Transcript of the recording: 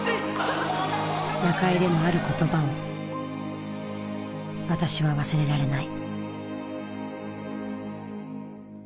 夜会でのある言葉を私は忘れられない。